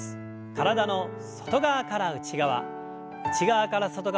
体の外側から内側内側から外側。